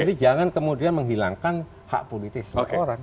jadi jangan kemudian menghilangkan hak politis orang